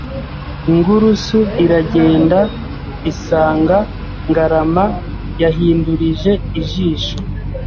Ingurusu iragenda isanga Ngarama yahindurije ijisho